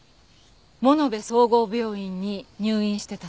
物部総合病院に入院してたそうね。